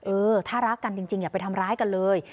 เออถ้ารักกันจริงอย่าไปทำร้ายกันเลย